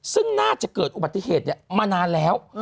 ซึ่งน่าจะเกิดอุบัติเหตุมานานแล้ว